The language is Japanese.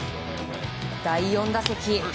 第４打席。